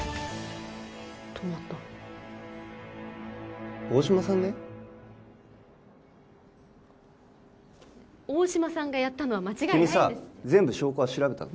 止まった大島さんね大島さんがやったのは間違いない君さ全部証拠は調べたの？